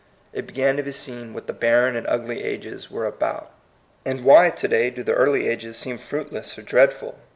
It began to be seen what the barren and ugly ages were about. And why, to day, do the early ages seem fruitless or dreadful?